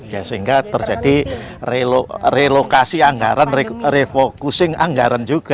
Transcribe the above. ya sehingga terjadi relokasi anggaran refocusing anggaran juga